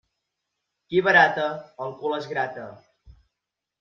Qui barata, el cul es grata.